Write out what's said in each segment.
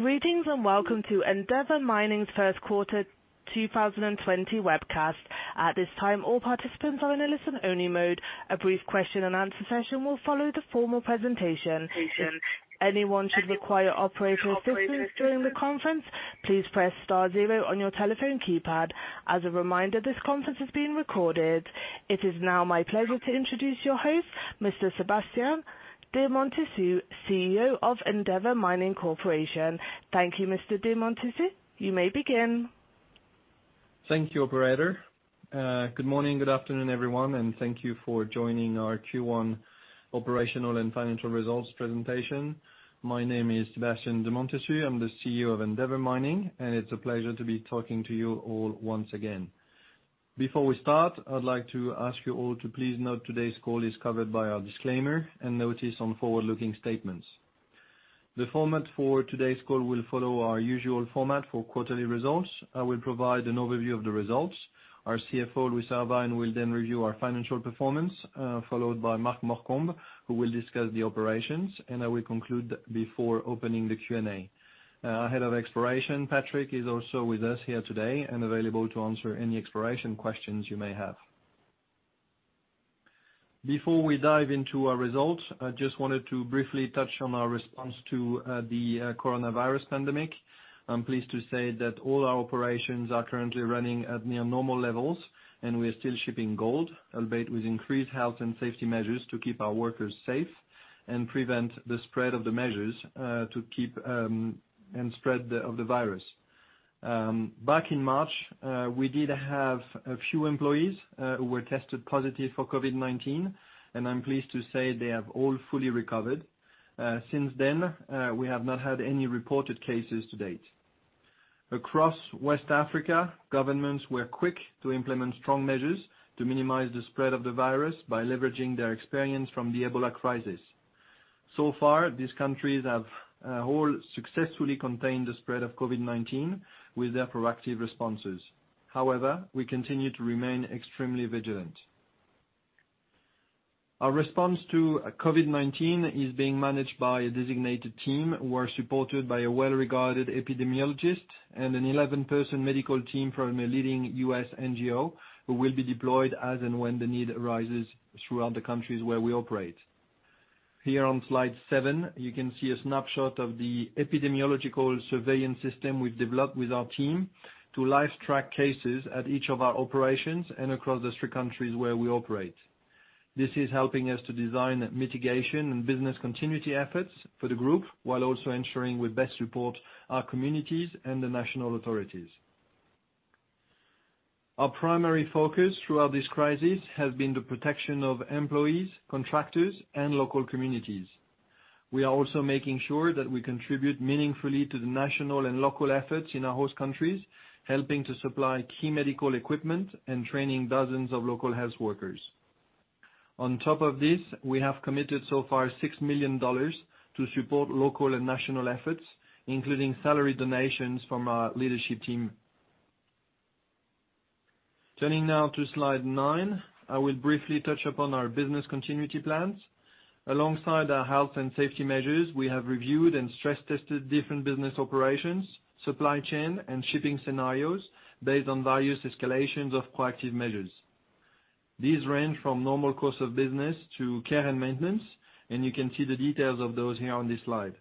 Greetings, and welcome to Endeavour Mining's first quarter 2020 webcast. At this time, all participants are in a listen-only mode. A brief question-and-answer session will follow the formal presentation. If anyone should require operator assistance during the conference, please press star zero on your telephone keypad. As a reminder, this conference is being recorded. It is now my pleasure to introduce your host, Mr. Sébastien de Montessus, CEO of Endeavour Mining Corporation. Thank you, Mr. de Montessus, you may begin. Thank you, operator. Good morning, good afternoon, everyone. Thank you for joining our Q1 operational and financial results presentation. My name is Sébastien de Montessus. I'm the CEO of Endeavour Mining. It's a pleasure to be talking to you all once again. Before we start, I'd like to ask you all to please note today's call is covered by our disclaimer and notice on forward-looking statements. The format for today's call will follow our usual format for quarterly results. I will provide an overview of the results. Our CFO, Louis Irvine, will then review our financial performance, followed by Mark Morcombe, who will discuss the operations. I will conclude before opening the Q&A. Our Head of Exploration, Patrick, is also with us here today and available to answer any exploration questions you may have. Before we dive into our results, I just wanted to briefly touch on our response to the coronavirus pandemic. I'm pleased to say that all our operations are currently running at near normal levels, and we are still shipping gold, albeit with increased health and safety measures to keep our workers safe and prevent the spread of the virus. Back in March, we did have a few employees who were tested positive for COVID-19, and I'm pleased to say they have all fully recovered. Since then, we have not had any reported cases to date. Across West Africa, governments were quick to implement strong measures to minimize the spread of the virus by leveraging their experience from the Ebola crisis. So far, these countries have all successfully contained the spread of COVID-19 with their proactive responses. However, we continue to remain extremely vigilant. Our response to COVID-19 is being managed by a designated team. We are supported by a well-regarded epidemiologist and an 11-person medical team from a leading U.S. NGO, who will be deployed as and when the need arises throughout the countries where we operate. Here on slide seven, you can see a snapshot of the epidemiological surveillance system we've developed with our team to live track cases at each of our operations and across the three countries where we operate. This is helping us to design mitigation and business continuity efforts for the group, while also ensuring we best support our communities and the national authorities. Our primary focus throughout this crisis has been the protection of employees, contractors, and local communities. We are also making sure that we contribute meaningfully to the national and local efforts in our host countries, helping to supply key medical equipment and training dozens of local health workers. On top of this, we have committed so far $6 million to support local and national efforts, including salary donations from our leadership team. Turning now to slide nine. I will briefly touch upon our business continuity plans. Alongside our health and safety measures, we have reviewed and stress-tested different business operations, supply chain, and shipping scenarios based on various escalations of proactive measures. These range from normal course of business to care and maintenance, you can see the details of those here on this slide.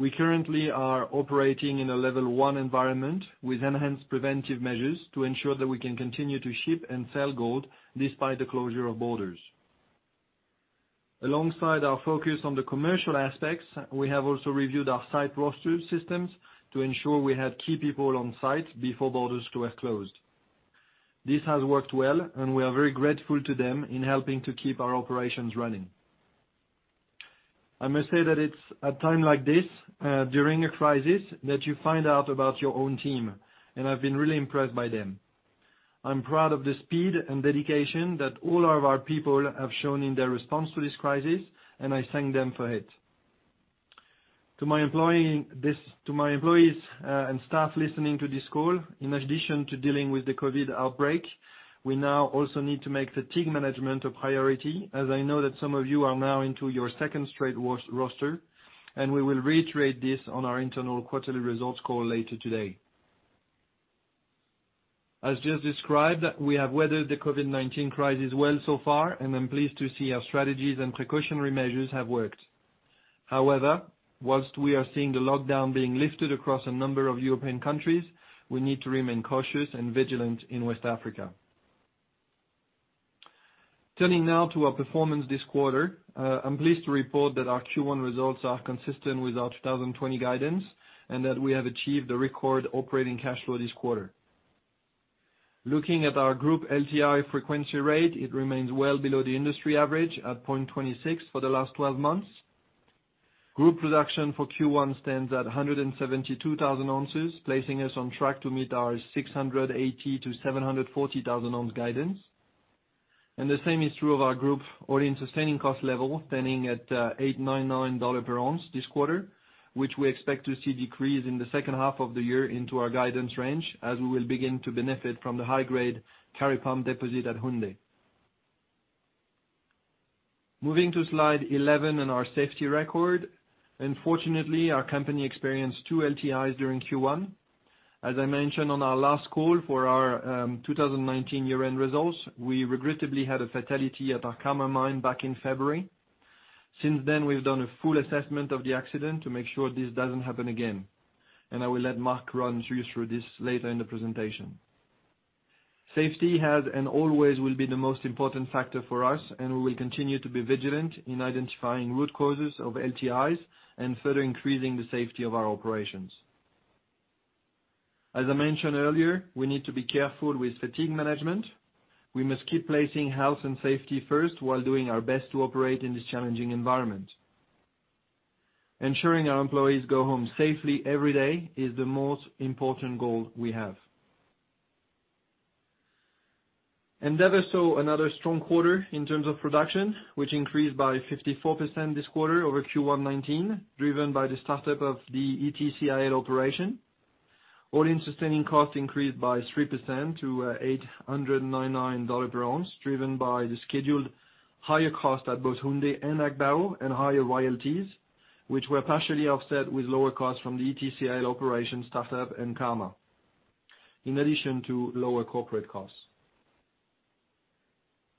We currently are operating in a Level 1 environment with enhanced preventive measures to ensure that we can continue to ship and sell gold despite the closure of borders. Alongside our focus on the commercial aspects, we have also reviewed our site roster systems to ensure we had key people on site before borders were closed. This has worked well, and we are very grateful to them in helping to keep our operations running. I must say that it's at times like this, during a crisis, that you find out about your own team, and I've been really impressed by them. I'm proud of the speed and dedication that all of our people have shown in their response to this crisis, and I thank them for it. To my employees and staff listening to this call, in addition to dealing with the COVID-19 outbreak, we now also need to make fatigue management a priority, as I know that some of you are now into your second straight roster, and we will reiterate this on our internal quarterly results call later today. As just described, we have weathered the COVID-19 crisis well so far, and I'm pleased to see our strategies and precautionary measures have worked. However, whilst we are seeing the lockdown being lifted across a number of European countries, we need to remain cautious and vigilant in West Africa. Turning now to our performance this quarter. I'm pleased to report that our Q1 results are consistent with our 2020 guidance, and that we have achieved a record operating cash flow this quarter. Looking at our group LTI frequency rate, it remains well below the industry average at 0.26 for the last 12 months. Group production for Q1 stands at 172,000 oz, placing us on track to meet our 680,000 oz-740,000 oz guidance. The same is true of our group all-in sustaining cost level, standing at $899/oz this quarter, which we expect to see decrease in the second half of the year into our guidance range, as we will begin to benefit from Kari Pump deposit at Houndé. Moving to slide 11 and our safety record. Unfortunately, our company experienced two LTIs during Q1. As I mentioned on our last call for our 2019 year-end results, we regrettably had a fatality at our Karma mine back in February. Since then, we've done a full assessment of the accident to make sure this doesn't happen again. I will let Mark run you through this later in the presentation. Safety has and always will be the most important factor for us. We will continue to be vigilant in identifying root causes of LTIs and further increasing the safety of our operations. As I mentioned earlier, we need to be careful with fatigue management. We must keep placing health and safety first while doing our best to operate in this challenging environment. Ensuring our employees go home safely every day is the most important goal we have. Endeavour saw another strong quarter in terms of production, which increased by 54% this quarter over Q1 2019, driven by the startup of the Ity CIL operation. All-in sustaining costs increased by 3% to $899/oz, driven by the scheduled higher cost at both Houndé and Agbaou and higher royalties, which were partially offset with lower costs from the Ity CIL operation startup and Karma, in addition to lower corporate costs.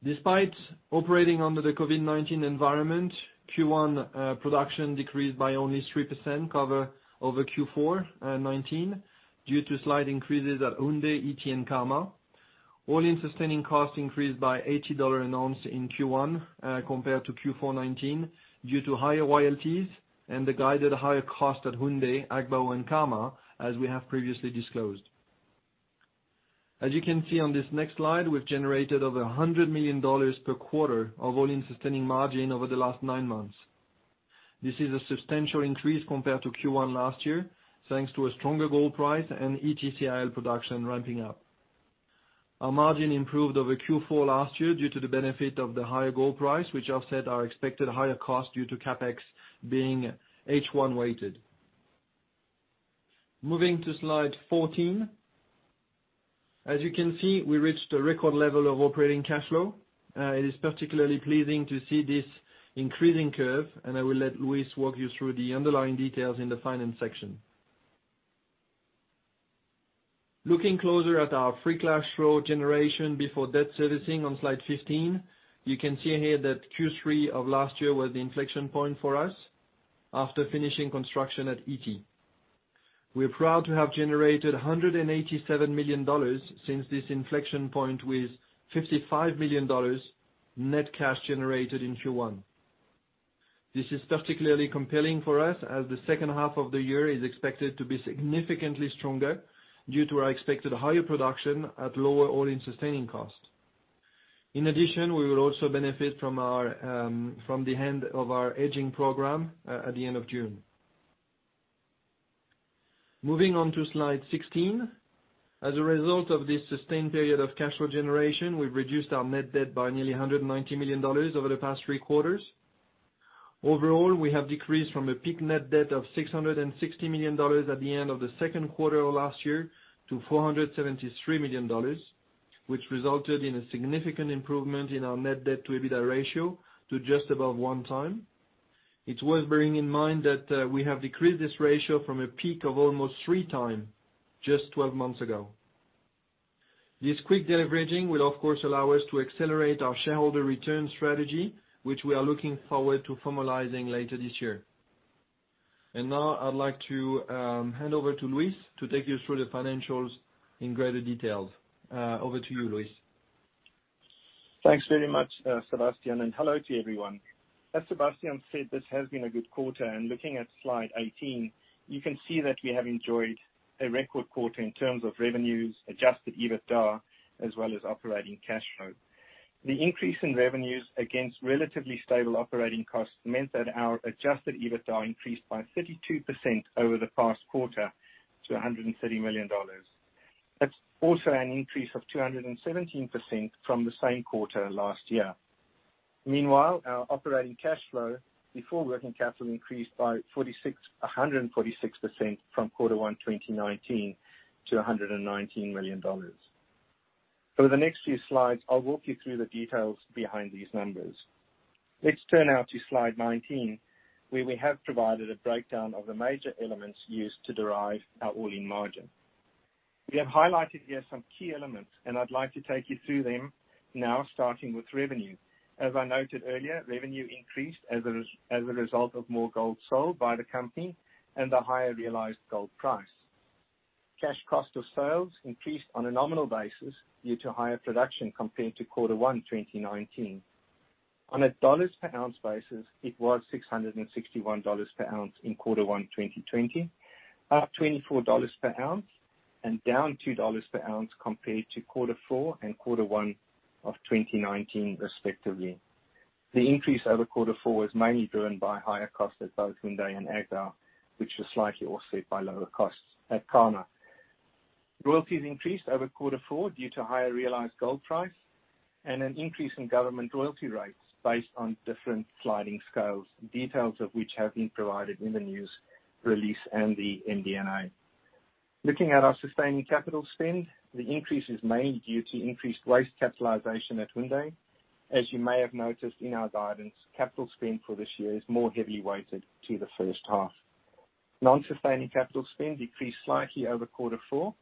Despite operating under the COVID-19 environment, Q1 production decreased by only 3% over Q4 2019, due to slight increases at Houndé, Ity and Karma. All-in sustaining costs increased by $80/oz in Q1 compared to Q4 2019, due to higher royalties and the guided higher cost at Houndé, Agbaou, and Karma, as we have previously disclosed. As you can see on this next slide, we've generated over $100 million per quarter of all-in sustaining margin over the last nine months. This is a substantial increase compared to Q1 last year, thanks to a stronger gold price and Ity CIL production ramping up. Our margin improved over Q4 last year due to the benefit of the higher gold price, which offset our expected higher cost due to CapEx being H1 weighted. Moving to slide 14. As you can see, we reached a record level of operating cash flow. It is particularly pleasing to see this increasing curve, and I will let Louis walk you through the underlying details in the finance section. Looking closer at our free cash flow generation before debt servicing on slide 15, you can see here that Q3 of last year was the inflection point for us after finishing construction at Ity. We are proud to have generated $187 million since this inflection point, with $55 million net cash generated in Q1. This is particularly compelling for us, as the second half of the year is expected to be significantly stronger due to our expected higher production at lower all-in sustaining cost. In addition, we will also benefit from the end of our hedging program at the end of June. Moving on to slide 16. As a result of this sustained period of cash flow generation, we've reduced our net debt by nearly $190 million over the past three quarters. Overall, we have decreased from a peak net debt of $660 million at the end of the second quarter of last year to $473 million, which resulted in a significant improvement in our net debt-to-EBITDA ratio to just above 1x. It's worth bearing in mind that we have decreased this ratio from a peak of almost 3x just 12 months ago. This quick de-leveraging will, of course, allow us to accelerate our shareholder return strategy, which we are looking forward to formalizing later this year. Now I'd like to hand over to Louis to take you through the financials in greater detail. Over to you, Louis. Thanks very much, Sébastien, and hello to everyone. As Sébastien said, this has been a good quarter, and looking at slide 18, you can see that we have enjoyed a record quarter in terms of revenues, Adjusted EBITDA, as well as operating cash flow. The increase in revenues against relatively stable operating costs meant that our Adjusted EBITDA increased by 32% over the past quarter to $130 million. That's also an increase of 217% from the same quarter last year. Meanwhile, our operating cash flow before working capital increased by 146% from quarter one 2019 to $119 million. Over the next few slides, I'll walk you through the details behind these numbers. Let's turn now to slide 19, where we have provided a breakdown of the major elements used to derive our all-in margin. We have highlighted here some key elements, and I'd like to take you through them now, starting with revenue. As I noted earlier, revenue increased as a result of more gold sold by the company and a higher realized gold price. Cash cost of sales increased on a nominal basis due to higher production compared to quarter one 2019. On a dollars per ounce basis, it was $661/oz in quarter one 2020, up $24/oz and down $2/oz compared to quarter four and quarter one of 2019, respectively. The increase over quarter four was mainly driven by higher costs at both Houndé and Agbaou, which was slightly offset by lower costs at Karma. Royalties increased over quarter four due to higher realized gold price and an increase in government royalty rates based on different sliding scales, details of which have been provided in the news release and the MD&A. Looking at our sustaining capital spend, the increase is mainly due to increased waste capitalization at Houndé. As you may have noticed in our guidance, capital spend for this year is more heavily weighted to the first half. Non-sustaining capital spend decreased slightly over quarter four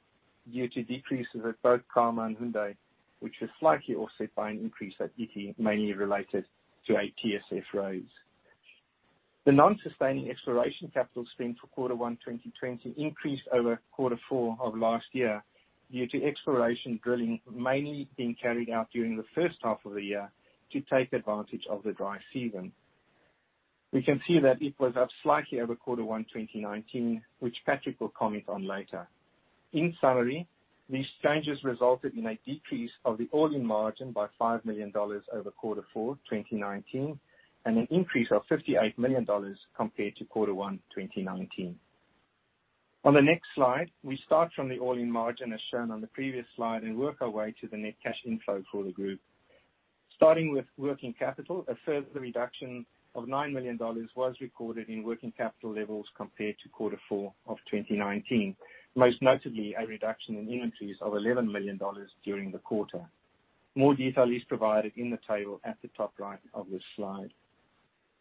due to decreases at both Karma and Houndé, which was slightly offset by an increase at Ity, mainly related to a TSF raise. The non-sustaining exploration capital spend for quarter one 2020 increased over quarter four of last year due to exploration drilling mainly being carried out during the first half of the year to take advantage of the dry season. We can see that it was up slightly over quarter one 2019, which Patrick will comment on later. In summary, these changes resulted in a decrease of the all-in margin by $5 million over quarter four 2019, and an increase of $58 million compared to quarter one 2019. On the next slide, we start from the all-in margin as shown on the previous slide, and work our way to the net cash inflow for the group. Starting with working capital, a further reduction of $9 million was recorded in working capital levels compared to quarter four of 2019. Most notably, a reduction in inventories of $11 million during the quarter. More detail is provided in the table at the top right of this slide.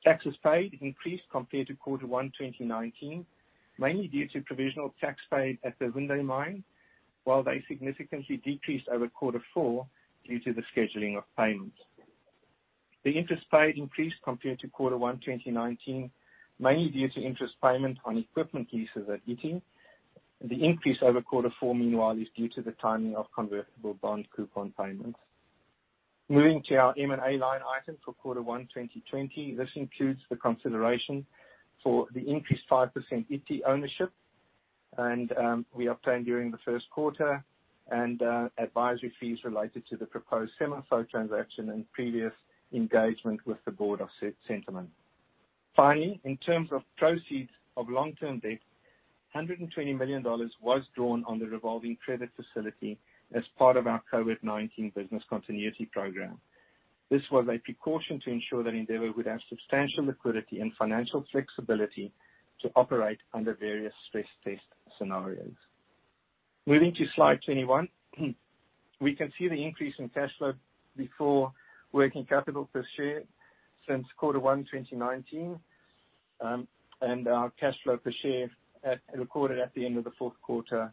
Taxes paid increased compared to quarter one 2019, mainly due to provisional tax paid at the Houndé mine, while they significantly decreased over quarter four due to the scheduling of payments. The interest paid increased compared to quarter one 2019, mainly due to interest payment on equipment leases at Ity. The increase over quarter four, meanwhile, is due to the timing of convertible bond coupon payments. Moving to our M&A line item for quarter one 2020. This includes the consideration for the increased 5% Ity ownership we obtained during the first quarter and advisory fees related to the proposed SEMAFO transaction and previous engagement with the board of Centamin. Finally, in terms of proceeds of long-term debt, $120 million was drawn on the revolving credit facility as part of our COVID-19 business continuity program. This was a precaution to ensure that Endeavour would have substantial liquidity and financial flexibility to operate under various stress-test scenarios. Moving to slide 21. We can see the increase in cash flow before working capital per share since Q1 2019, and our cash flow per share recorded at the end of Q4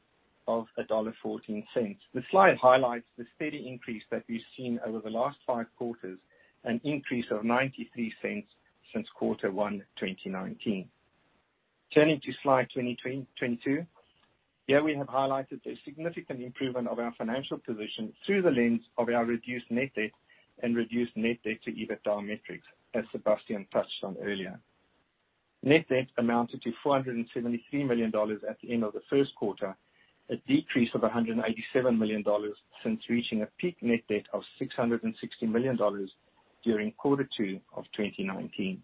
of $1.14. The slide highlights the steady increase that we've seen over the last five quarters, an increase of $0.93 since Q1 2019. Turning to slide 22. Here we have highlighted the significant improvement of our financial position through the lens of our reduced net debt and reduced net debt-to-EBITDA metrics, as Sébastien touched on earlier. Net debt amounted to $473 million at the end of the first quarter, a decrease of $187 million since reaching a peak net debt of $660 million during quarter two of 2019.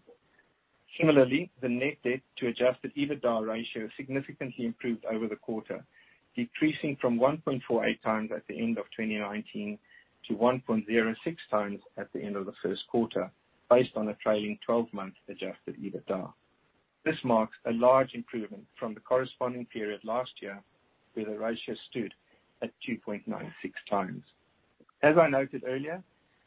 Similarly, the net debt-to-Adjusted EBITDA ratio significantly improved over the quarter, decreasing from 1.48x at the end of 2019 to 1.06x at the end of the first quarter, based on a trailing 12-month Adjusted EBITDA. This marks a large improvement from the corresponding period last year, where the ratio stood at 2.96x. As I noted earlier,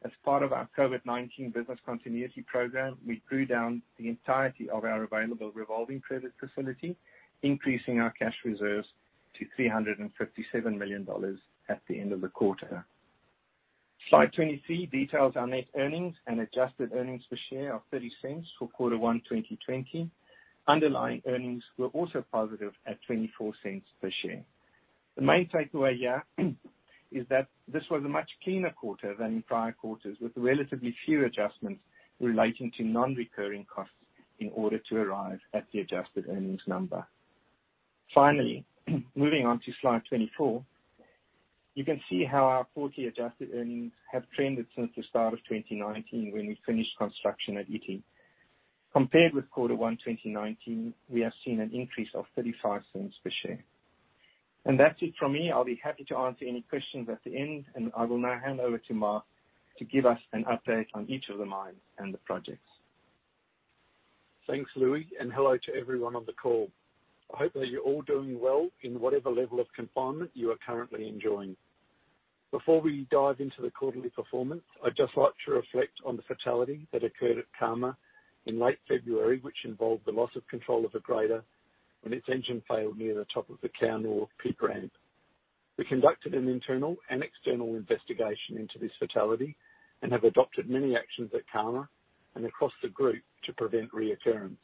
as part of our COVID-19 business continuity program, we drew down the entirety of our available revolving credit facility, increasing our cash reserves to $357 million at the end of the quarter. Slide 23 details our net earnings and adjusted earnings per share of $0.30 for quarter one 2020. Underlying earnings were also positive at $0.24 per share. The main takeaway here, is that this was a much cleaner quarter than in prior quarters, with relatively few adjustments relating to non-recurring costs in order to arrive at the adjusted earnings number. Moving on to slide 24. You can see how our fully-adjusted earnings have trended since the start of 2019 when we finished construction at Ity. Compared with quarter one 2019, we have seen an increase of $0.35 per share. That's it from me. I'll be happy to answer any questions at the end, and I will now hand over to Mark to give us an update on each of the mines and the projects. Thanks, Louis. Hello to everyone on the call. I hope that you're all doing well in whatever level of confinement you are currently enjoying. Before we dive into the quarterly performance, I'd just like to reflect on the fatality that occurred at Karma in late February, which involved the loss of control of a grader when its engine failed near the top of the Cobar pit ramp. We conducted an internal and external investigation into this fatality and have adopted many actions at Karma and across the group to prevent reoccurrence.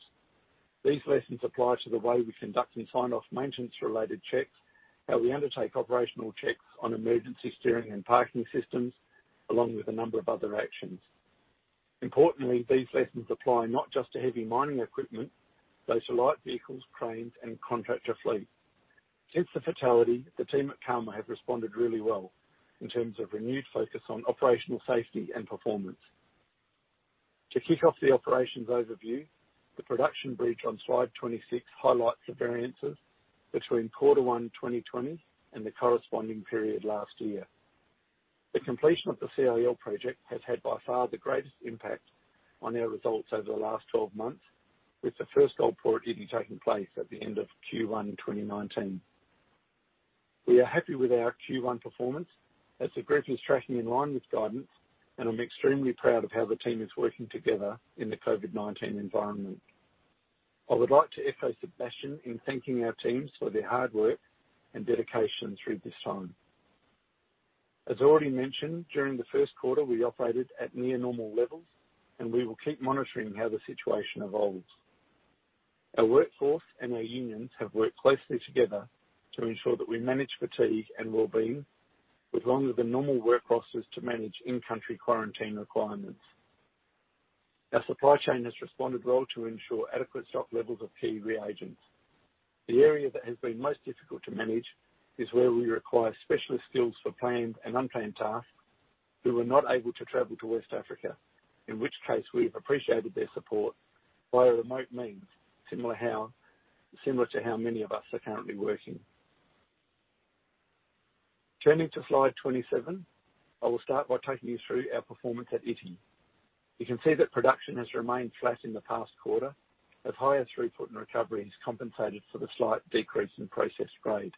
These lessons apply to the way we conduct and sign off maintenance-related checks, how we undertake operational checks on emergency steering and parking systems, along with a number of other actions. Importantly, these lessons apply not just to heavy mining equipment. Those are light vehicles, cranes, and contractor fleet. Since the fatality, the team at Karma have responded really well in terms of renewed focus on operational safety and performance. To kick off the operations overview, the production bridge on slide 26 highlights the variances between quarter one 2020 and the corresponding period last year. The completion of the CIL project has had by far the greatest impact on our results over the last 12 months, with the first gold pour at Ity taking place at the end of Q1 in 2019. We are happy with our Q1 performance, as the group is tracking in line with guidance, and I'm extremely proud of how the team is working together in the COVID-19 environment. I would like to echo Sébastien in thanking our teams for their hard work and dedication through this time. As already mentioned, during the first quarter, we operated at near normal levels, and we will keep monitoring how the situation evolves. Our workforce and our unions have worked closely together to ensure that we manage fatigue and well-being with longer than normal work rosters to manage in-country quarantine requirements. Our supply chain has responded well to ensure adequate stock levels of key reagents. The area that has been most difficult to manage is where we require specialist skills for planned and unplanned tasks who are not able to travel to West Africa. In which case, we have appreciated their support via remote means, similar to how many of us are currently working. Turning to slide 27, I will start by taking you through our performance at Ity. You can see that production has remained flat in the past quarter as higher throughput and recovery has compensated for the slight decrease in processed grade.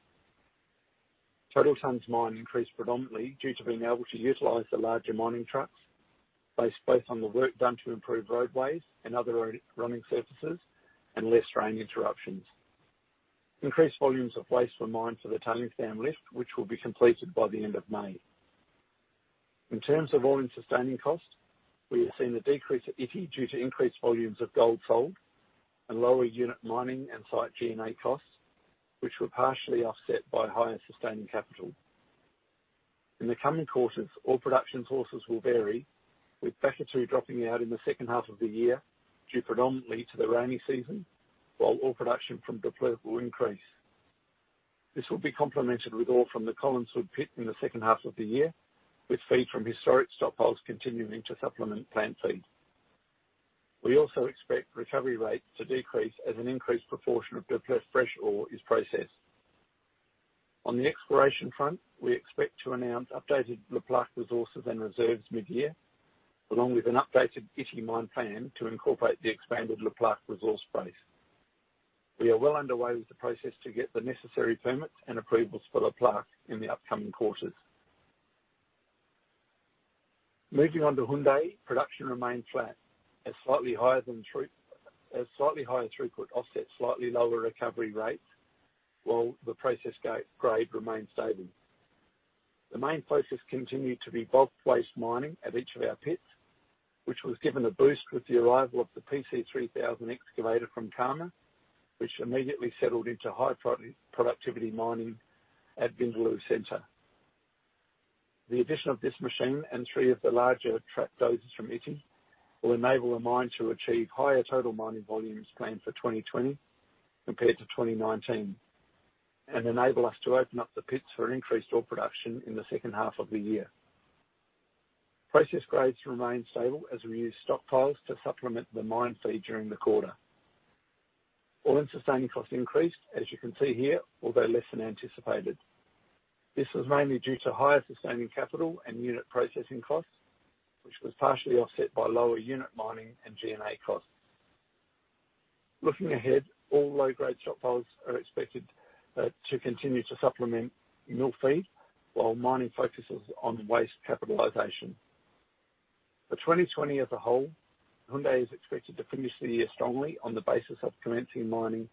Total tons mined increased predominantly due to being able to utilize the larger mining trucks, based both on the work done to improve roadways and other road running surfaces, and less rain interruptions. Increased volumes of waste were mined for the Tailings dam lift, which will be completed by the end of May. In terms of all-in sustaining cost, we have seen a decrease at Ity due to increased volumes of gold sold and lower unit mining and site G&A costs, which were partially offset by higher sustaining capital. In the coming quarters, ore production sources will vary, with Bakatouo dropping out in the second half of the year due predominantly to the rainy season, while ore production from Daapleu will increase. This will be complemented with ore from the Colline Sud pit in the second half of the year, with feed from historic stockpiles continuing to supplement plant feed. We also expect recovery rates to decrease as an increased proportion of Daapleu fresh ore is processed. On the exploration front, we expect to announce updated Le Plaque resources and reserves mid-year, along with an updated Ity mine plan to incorporate the expanded Le Plaque resource base. We are well underway with the process to get the necessary permits and approvals for Le Plaque in the upcoming quarters. Moving on to Houndé, production remained flat as slightly higher throughput offset slightly lower recovery rates, while the process grade remained stable. The main focus continued to be bulk waste mining at each of our pits, which was given a boost with the arrival of the PC3000 excavator from Karma, which immediately settled into high productivity mining at Vindaloo center. The addition of this machine and three of the larger track dozers from Ity will enable the mine to achieve higher total mining volumes planned for 2020 compared to 2019 and enable us to open up the pits for increased ore production in the second half of the year. Process grades remain stable as we use stockpiles to supplement the mine feed during the quarter. All-in sustaining costs increased, as you can see here, although less than anticipated. This was mainly due to higher sustaining capital and unit processing costs, which was partially offset by lower unit mining and G&A costs. Looking ahead, all low-grade stockpiles are expected to continue to supplement mill feed while mining focuses on waste capitalization. For 2020 as a whole, Houndé is expected to finish the year strongly on the basis of commencing mining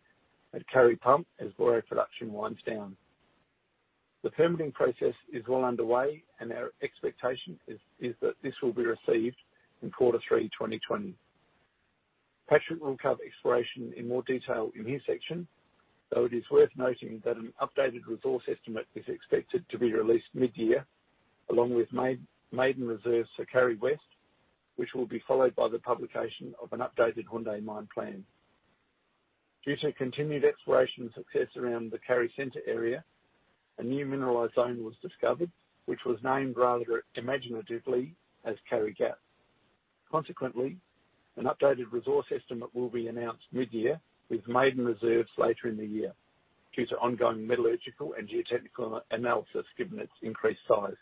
Kari Pump as Bouéré production winds down. The permitting process is well underway, and our expectation is that this will be received in quarter three 2020. Patrick will cover exploration in more detail in his section, though it is worth noting that an updated resource estimate is expected to be released mid-year, along with maiden reserves for Kari West, which will be followed by the publication of an updated Houndé mine plan. Due to continued exploration success around the Kari Center area, a new mineralized zone was discovered, which was named rather imaginatively as Kari Gap. Consequently, an updated resource estimate will be announced mid-year with maiden reserves later in the year due to ongoing metallurgical and geotechnical analysis given its increased size.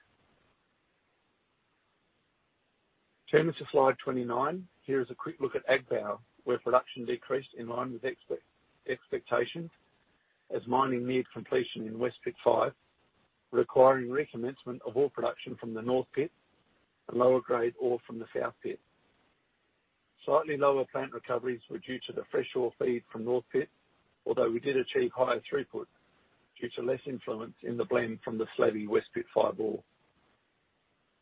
Turning to slide 29, here is a quick look at Agbaou, where production decreased in line with expectations as mining neared completion in West pit 5, requiring recommencement of ore production from the North pit and lower grade ore from the South pit. Slightly lower plant recoveries were due to the fresh ore feed from North pit, although we did achieve higher throughput due to less influence in the blend from the slmy West pit 5 ore.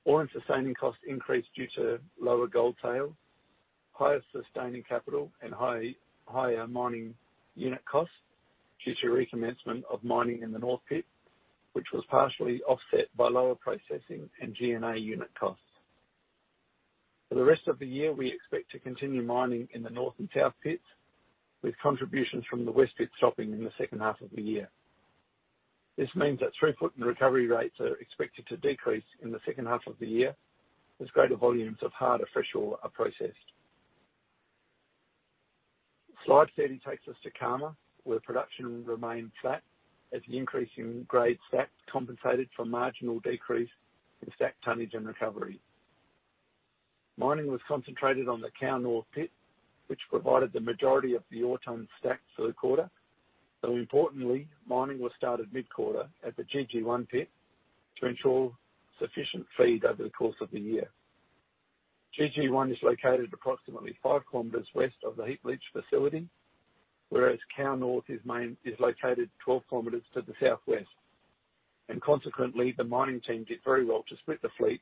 All-in sustaining costs increased due to lower gold sale, higher sustaining capital, and higher mining unit costs due to recommencement of mining in the North pit, which was partially offset by lower processing and G&A unit costs. For the rest of the year, we expect to continue mining in the North and South pits, with contributions from the West pit stopping in the second half of the year. This means that throughput and recovery rates are expected to decrease in the second half of the year as greater volumes of harder, fresh ore are processed. Slide 30 takes us to Karma, where production remained flat as the increase in grade stacked compensated for a marginal decrease in stacked tonnage and recovery. Mining was concentrated on the Kao North pit, which provided the majority of the ore tone stacked for the quarter, though importantly, mining was started mid-quarter at the GG1 pit to ensure sufficient feed over the course of the year. GG1 is located approximately 5 km west of the heap leach facility, whereas Kao North is located 12 km to the southwest. Consequently, the mining team did very well to split the fleet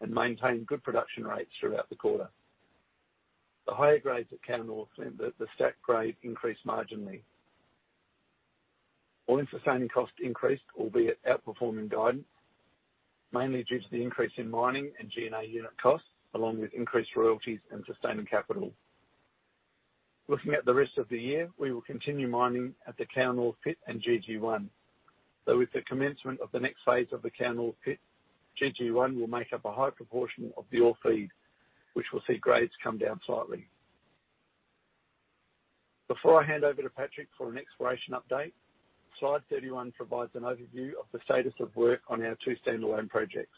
and maintain good production rates throughout the quarter. The higher grades at Kao North meant that the stacked grade increased marginally. All-in sustaining costs increased, albeit outperforming guidance, mainly due to the increase in mining and G&A unit costs, along with increased royalties and sustaining capital. Looking at the rest of the year, we will continue mining at the Kao North pit and GG1, though with the commencement of the next phase of the Kao North pit, GG1 will make up a high proportion of the ore feed, which will see grades come down slightly. Before I hand over to Patrick for an exploration update, slide 31 provides an overview of the status of work on our two standalone projects.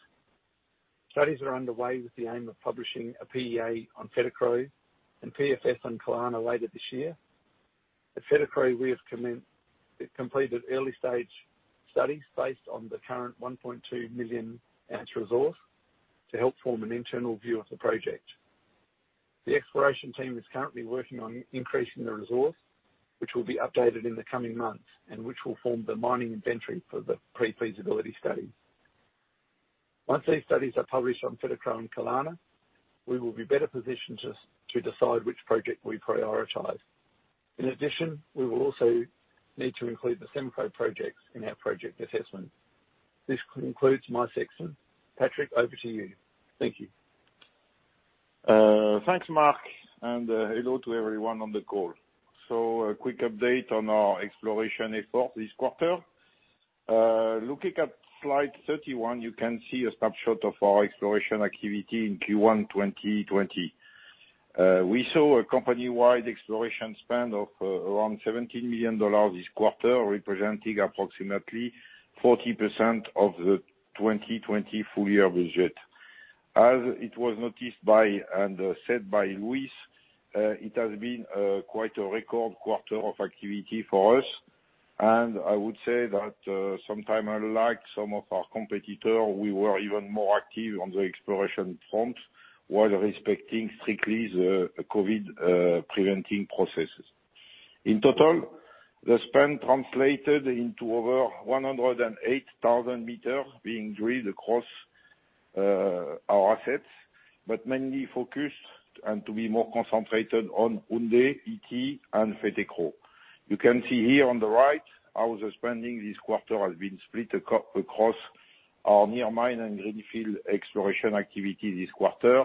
Studies are underway with the aim of publishing a PEA on Fetekro and PFS on Kalana later this year. At Fetekro, we have completed early-stage studies based on the current 1.2 million ounce resource to help form an internal view of the project. The exploration team is currently working on increasing the resource, which will be updated in the coming months, and which will form the mining inventory for the pre-feasibility study. Once these studies are published on Fetekro and Kalana, we will be better positioned to decide which project we prioritize. In addition, we will also need to include the [Siampro] project in our project assessment. This concludes my section. Patrick, over to you. Thank you. Thanks, Mark. Hello to everyone on the call. A quick update on our exploration effort this quarter. Looking at slide 31, you can see a snapshot of our exploration activity in Q1 2020. We saw a company-wide exploration spend of around $17 million this quarter, representing approximately 40% of the 2020 full-year budget. As it was noticed by and said by Louis, it has been quite a record quarter of activity for us. I would say that sometime, unlike some of our competitors, we were even more active on the exploration front while respecting strictly the COVID-19 preventing processes. In total, the spend translated into over 108,000 m being drilled across our assets, mainly focused and to be more concentrated on Houndé, Ity, and Fetekro. You can see here on the right how the spending this quarter has been split across our near mine and greenfield exploration activity this quarter.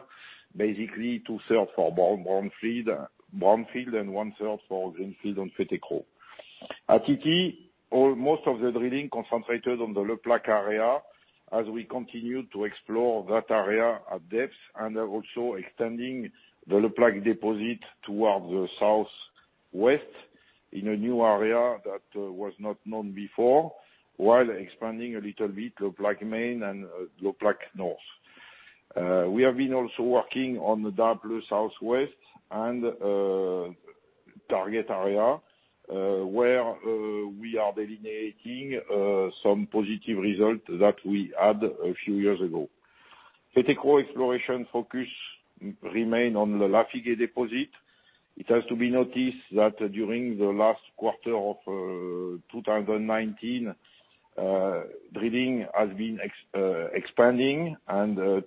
Two-thirds for brownfield, one-third for greenfield and Fetekro. At Ity, most of the drilling concentrated on the Le Plaque area as we continue to explore that area at depth and are also extending the Le Plaque deposit towards the southwest in a new area that was not known before while expanding a little bit Le Plaque Main and Le Plaque North. We have been also working on the Daapleu Southwest and target area, where we are delineating some positive results that we had a few years ago. Fetekro exploration focus remain on the Lafigué deposit. It has to be noticed that during the last quarter of 2019, drilling has been expanding,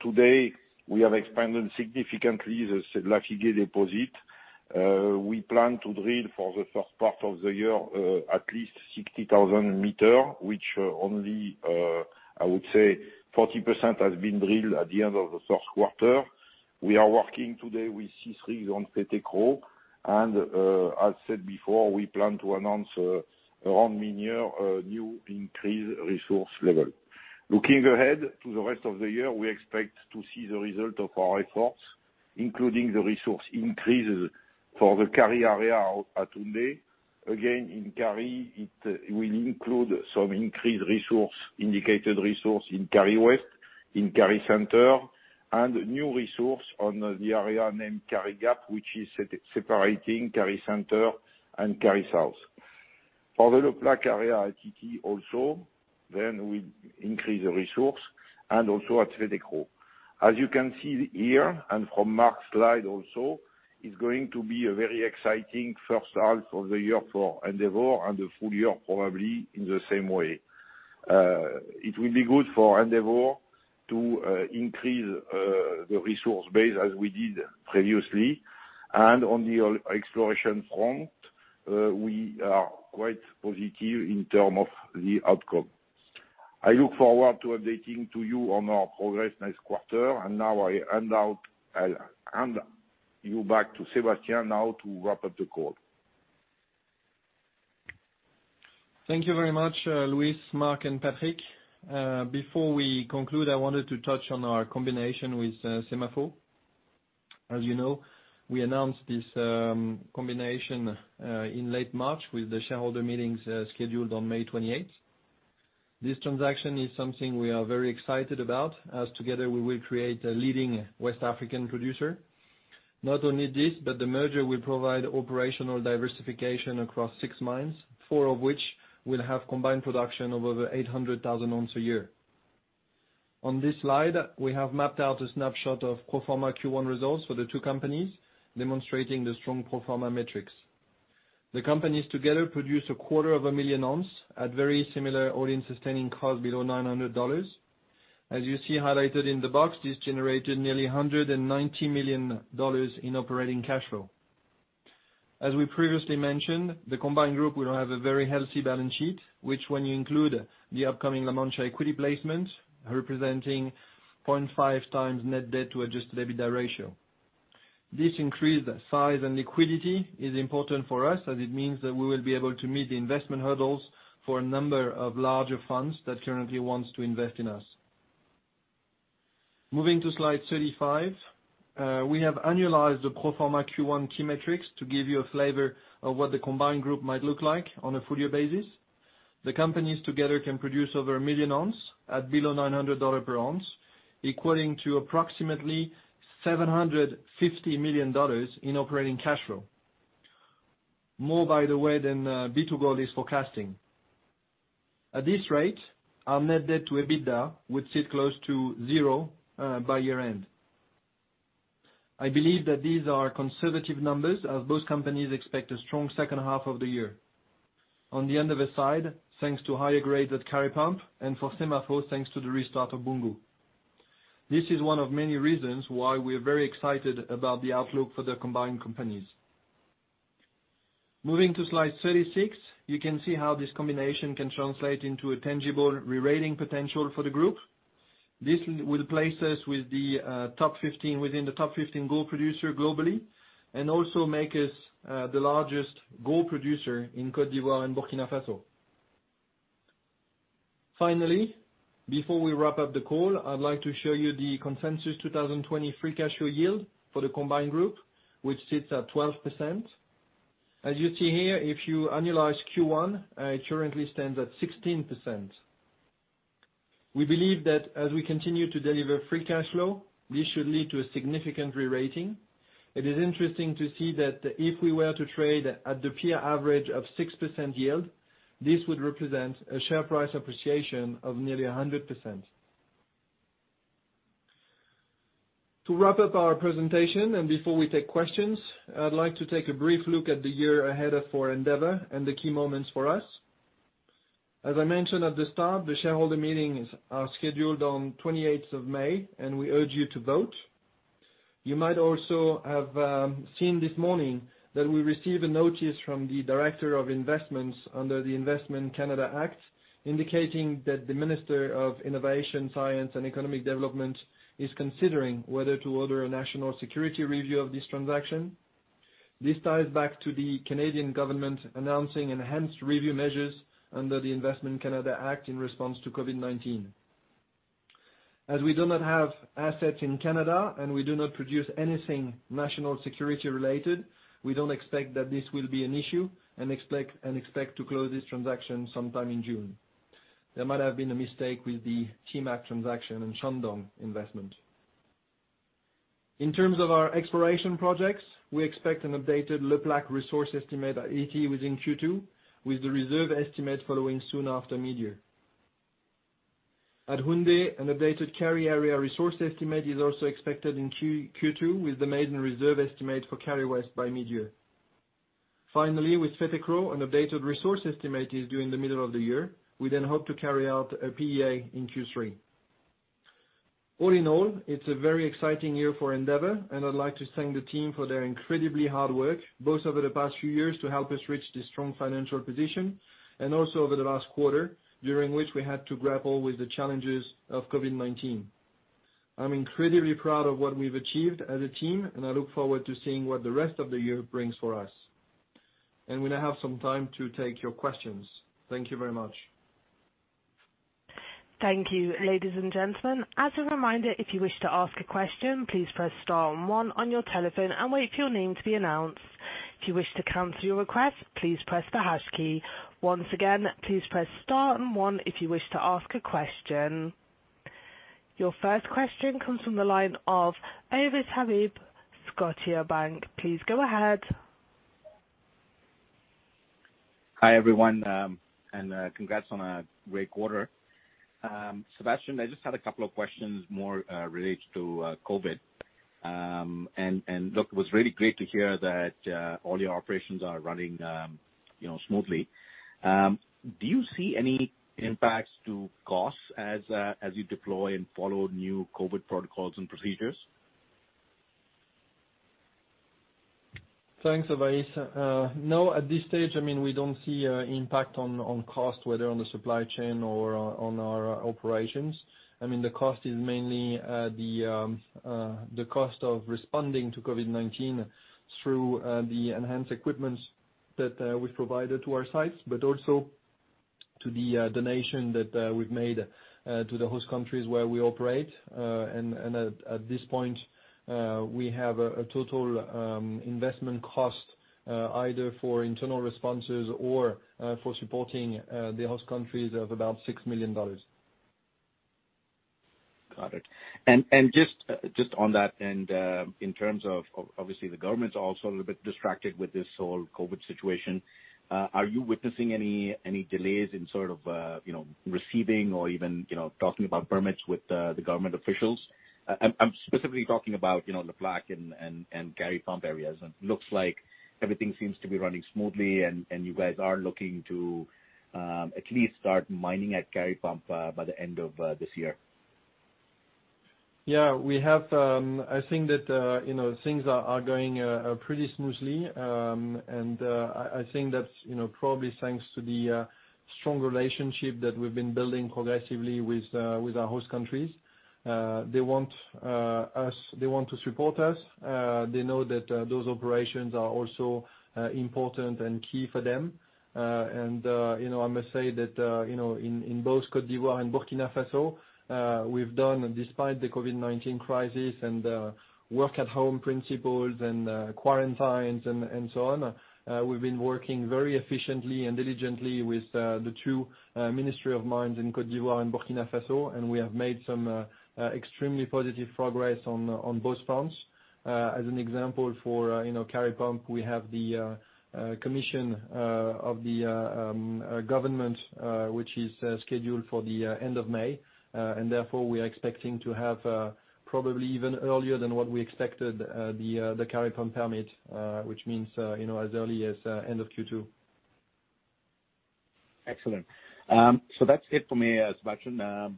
today we have expanded significantly the Lafigué deposit. We plan to drill for the first part of the year at least 60,000 m, which only, I would say 40% has been drilled at the end of the first quarter. We are working today with [SODEMI] on Fetekro, and as said before, we plan to announce around midyear a new increased resource level. Looking ahead to the rest of the year, we expect to see the result of our efforts, including the resource increases for the Kari area at Houndé. Again, in Kari, it will include some increased resource, indicated resource in Kari West, in Kari Center, and new resource on the area named Kari Gap, which is separating Kari Center and Kari South. For the Le Plaque area at Ity, also, then we increase the resource, and also at Fetekro. As you can see here, and from Mark's slide also, it's going to be a very exciting first half of the year for Endeavour and the full year probably in the same way. It will be good for Endeavour to increase the resource base as we did previously. On the exploration front, we are quite positive in terms of the outcome. I look forward to updating to you on our progress next quarter. Now I hand you back to Sébastien now to wrap up the call. Thank you very much, Louis, Mark, and Patrick. Before we conclude, I wanted to touch on our combination with SEMAFO. As you know, we announced this combination in late March with the shareholder meetings scheduled on May 28th. This transaction is something we are very excited about, as together we will create a leading West African producer. Not only this, the merger will provide operational diversification across six mines, four of which will have combined production of over 800,000 oz a year. On this slide, we have mapped out a snapshot of pro forma Q1 results for the two companies, demonstrating the strong pro forma metrics. The companies together produce 250,000 oz at very similar all-in sustaining costs below $900. As you see highlighted in the box, this generated nearly $190 million in operating cash flow. As we previously mentioned, the combined group will have a very healthy balance sheet, which when you include the upcoming La Mancha equity placement, representing 0.5x net debt-to-Adjusted EBITDA ratio. This increased size and liquidity is important for us, as it means that we will be able to meet the investment hurdles for a number of larger funds that currently wants to invest in us. Moving to slide 35. We have annualized the pro forma Q1 key metrics to give you a flavor of what the combined group might look like on a full-year basis. The companies together can produce over 1 million ounce at below $900/oz, equating to approximately $750 million in operating cash flow. More, by the way, than B2Gold is forecasting. At this rate, our net debt-to-EBITDA would sit close to zero by year-end. I believe that these are conservative numbers as both companies expect a strong second half of the year. On the Endeavour side, thanks to higher grades Kari Pump, and for SEMAFO, thanks to the restart of Boungou. This is one of many reasons why we're very excited about the outlook for the combined companies. Moving to slide 36, you can see how this combination can translate into a tangible re-rating potential for the group. This will place us within the top 15 gold producer globally, and also make us the largest gold producer in Côte d'Ivoire and Burkina Faso. Finally, before we wrap up the call, I'd like to show you the consensus 2020 free cash flow yield for the combined group, which sits at 12%. As you see here, if you annualize Q1, it currently stands at 16%. We believe that as we continue to deliver free cash flow, this should lead to a significant re-rating. It is interesting to see that if we were to trade at the peer average of 6% yield, this would represent a share price appreciation of nearly 100%. To wrap up our presentation, and before we take questions, I'd like to take a brief look at the year ahead of for Endeavour and the key moments for us. As I mentioned at the start, the shareholder meetings are scheduled on 28th of May, and we urge you to vote. You might also have seen this morning that we received a notice from the Director of Investments under the Investment Canada Act, indicating that the Minister of Innovation, Science and Economic Development is considering whether to order a national security review of this transaction. This ties back to the Canadian government announcing enhanced review measures under the Investment Canada Act in response to COVID-19. As we do not have assets in Canada and we do not produce anything national security related, we don't expect that this will be an issue and expect to close this transaction sometime in June. There might have been a mistake with the TMAC transaction and Shandong investment. In terms of our exploration projects, we expect an updated Le Plaque resource estimate at Ity within Q2, with the reserve estimate following soon after midyear. At Houndé, an updated Kari area resource estimate is also expected in Q2, with the maiden reserve estimate for Kari West by midyear. Finally, with Fetekro, an updated resource estimate is due in the middle of the year. We hope to carry out a PEA in Q3. All in all, it's a very exciting year for Endeavour, and I'd like to thank the team for their incredibly hard work, both over the past few years to help us reach this strong financial position, and also over the last quarter, during which we had to grapple with the challenges of COVID-19. I'm incredibly proud of what we've achieved as a team, and I look forward to seeing what the rest of the year brings for us. We now have some time to take your questions. Thank you very much. Thank you. Ladies and gentlemen, as a reminder, if you wish to ask a question, please press star and one on your telephone and wait for your name to be announced. If you wish to cancel your request, please press the hash key. Once again, please press star and one if you wish to ask a question. Your first question comes from the line of Ovais Habib, Scotiabank. Please go ahead. Hi everyone. Congrats on a great quarter. I just have a couple of questions more related to COVID-19. It was really great to hear that all your operations are running smoothly. Do you see any impact to cost as you deploy and follow new COVID-19 protocol and procedures? Thanks, Ovais. At this stage, we don't see impact on cost, whether on the supply chain or on our operations. The cost is mainly the cost of responding to COVID-19 through the enhanced equipment that we provided to our sites, but also to the donation that we've made to the host countries where we operate. At this point, we have a total investment cost either for internal responses or for supporting the host countries of about $6 million. Got it. Just on that, in terms of, obviously, the government's also a little bit distracted with this whole COVID situation, are you witnessing any delays in receiving or even talking about permits with the government officials? I'm specifically talking about the Le Plaque Kari Pump areas. It looks like everything seems to be running smoothly, and you guys are looking to at least start mining Kari Pump by the end of this year. I think that things are going pretty smoothly. I think that's probably thanks to the strong relationship that we've been building progressively with our host countries. They want to support us. They know that those operations are also important and key for them. I must say that in both Côte d'Ivoire and Burkina Faso, we've done, despite the COVID-19 crisis and the work at home principles and quarantines and so on, we've been working very efficiently and diligently with the two Ministry of Mines in Côte d'Ivoire and Burkina Faso, and we have made some extremely positive progress on both fronts. As an example, Kari Pump, we have the commission of the government which is scheduled for the end of May. Therefore, we are expecting to have, probably even earlier than what we expected, the Kari Pump permit, which means as early as end of Q2. Excellent. That's it for me, Sébastien.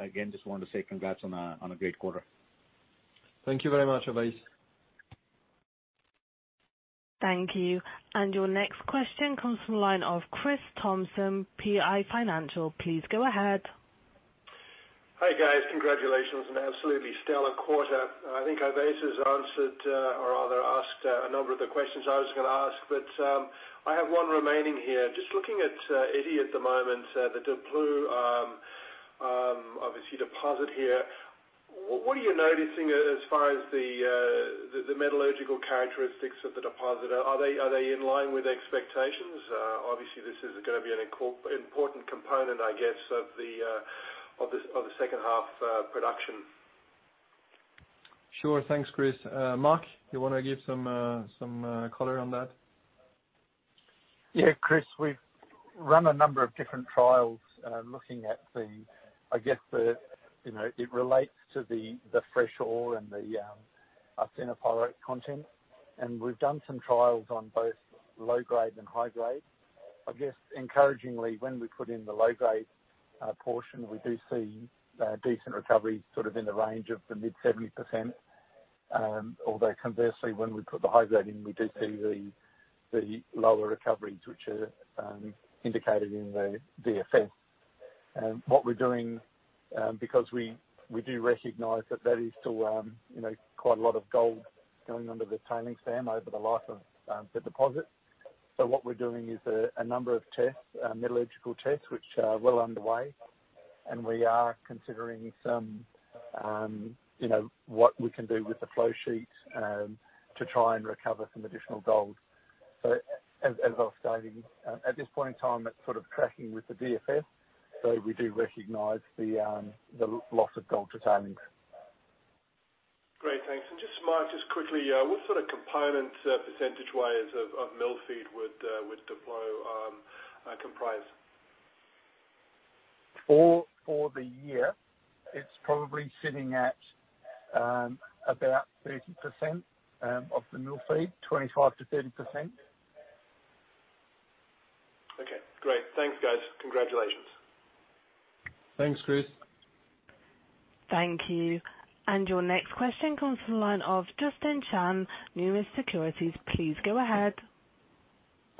Again, just wanted to say congrats on a great quarter. Thank you very much, Ovais. Thank you. Your next question comes from the line of Chris Thompson, PI Financial. Please go ahead. Hi, guys. Congratulations on an absolutely stellar quarter. I think Ovais has asked a number of the questions I was going to ask, but I have one remaining here. Just looking at Ity at the moment, the Daapleu obviously deposit here. What are you noticing as far as the metallurgical characteristics of the deposit? Are they in line with expectations? Obviously, this is going to be an important component, I guess, of the second half production. Sure. Thanks, Chris. Mark, you want to give some color on that? Chris, we've run a number of different trials. It relates to the fresh ore and the arsenopyrite content. We've done some trials on both low grade and high grade. Encouragingly, when we put in the low grade portion, we do see decent recovery, sort of in the range of the mid-70%. Conversely, when we put the high grade in, we do see the lower recoveries, which are indicated in the DFS. What we're doing, because we do recognize that that is still quite a lot of gold going under the tailings dam over the life of the deposit. What we're doing is a number of metallurgical tests, which are well underway, and we are considering what we can do with the flow sheet to try and recover some additional gold. As I was stating, at this point in time, it's sort of tracking with the DFS. We do recognize the loss of gold to tailings. Great. Thanks. Just Mark, just quickly, what sort of component, percentage-wise, of mill feed would Daapleu comprise? For the year, it's probably sitting at about 30% of the mill feed, 25%-30%. Okay, great. Thanks, guys. Congratulations. Thanks, Chris. Thank you. Your next question comes from the line of Justin Chan, Numis Securities. Please go ahead.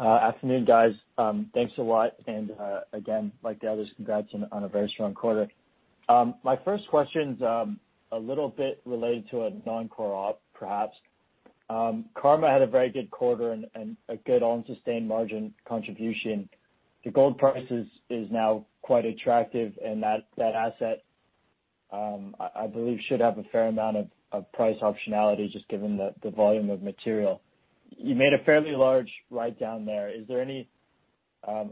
Afternoon, guys. Thanks a lot, and, again, like the others, congrats on a very strong quarter. My first question is a little bit related to a non-core op, perhaps. Karma had a very good quarter and a good all-in sustaining margin contribution. The gold prices is now quite attractive, and that asset, I believe, should have a fair amount of price optionality, just given the volume of material. You made a fairly large write-down there.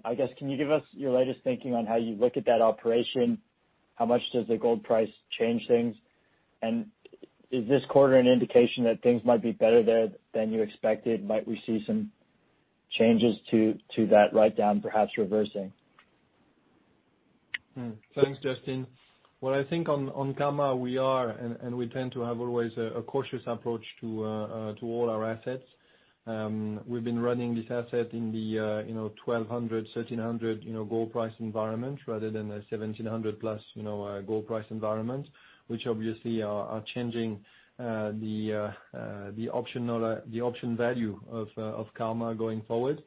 I guess, can you give us your latest thinking on how you look at that operation? How much does the gold price change things? Is this quarter an indication that things might be better there than you expected? Might we see some changes to that write-down perhaps reversing? Thanks, Justin. What I think on Karma, we tend to have always a cautious approach to all our assets. We've been running this asset in the $1,200/oz, $1,300/oz gold price environment rather than a $1,700+/oz gold price environment, which obviously are changing the option value of Karma going forward,